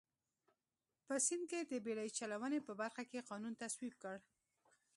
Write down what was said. په سیند کې د بېړۍ چلونې په برخه کې قانون تصویب کړ.